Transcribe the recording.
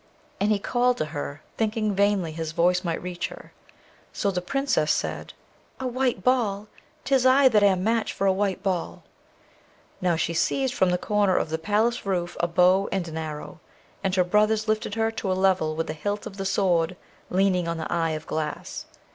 And he called to her, thinking vainly his voice might reach her. So the Princess said, 'A white ball? 'tis I that am match for a white ball!' Now, she seized from the corner of the palace roof a bow and an arrow, and her brothers lifted her to a level with the hilt of the Sword, leaning on the eye of glass.